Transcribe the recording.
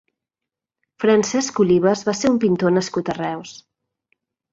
Francesc Olives va ser un pintor nascut a Reus.